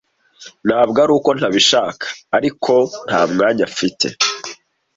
Ntabwo ari uko ntabishaka, ariko ko nta mwanya mfite.